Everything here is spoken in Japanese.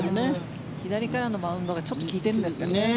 左からのマウンドがちょっと利いているんですかね。